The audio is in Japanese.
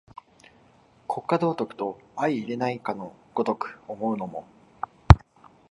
国家道徳と相容れないかの如く思うのも、